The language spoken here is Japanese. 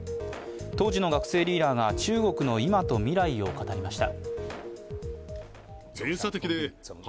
当時の学生リーダーが中国の今と未来を語りました。